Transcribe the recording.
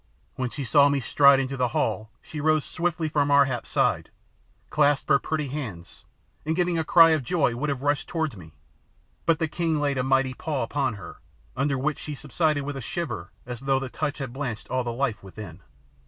When she saw me stride into the hall she rose swiftly from Ar hap's side, clasped her pretty hands, and giving a cry of joy would have rushed towards me, but the king laid a mighty paw upon her, under which she subsided with a shiver as though the touch had blanched all the life within.